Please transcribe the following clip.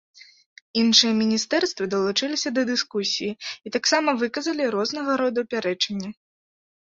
Іншыя міністэрствы далучыліся да дыскусіі і таксама выказалі рознага роду пярэчанні.